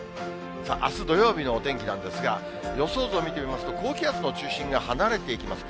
あす土曜日のお天気なんですが、予想図を見てみますと、高気圧の中心が離れていきます。